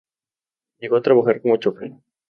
Llegó a trabajar como chófer.